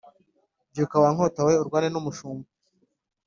Byuka wa nkota we urwane n’umushumba